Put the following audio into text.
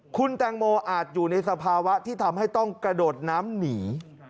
คุณแตงโมอาจอยู่ในสภาวะที่ทำให้ต้องกระโดดน้ำหนี